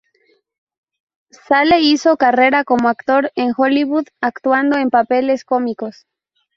Sale hizo carrera como actor en Hollywood actuando en papeles cómicos.